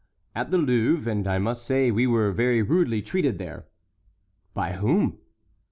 "At the Louvre, and I must say we were very rudely treated there." "By whom?"